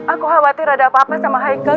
aku khawatir ada apa apa sama haicle